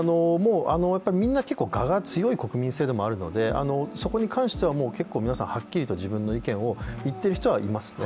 みんな結構我が強い国民性でもあるのでそこに関しては結構皆さんはっきりと自分の意見を言っている人はいますね。